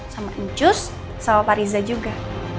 sama incus sama pak riza juga